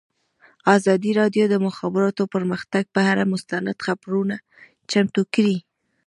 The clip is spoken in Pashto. ازادي راډیو د د مخابراتو پرمختګ پر اړه مستند خپرونه چمتو کړې.